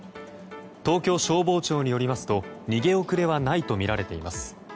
東京消防庁によりますと逃げ遅れはないとみられています。